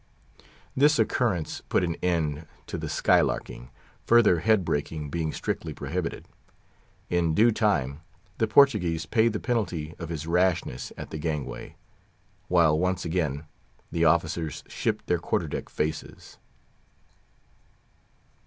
This occurrence put an end to the "skylarking," further head breaking being strictly prohibited. In due time the Portuguese paid the penalty of his rashness at the gangway; while once again the officers shipped their quarter deck faces.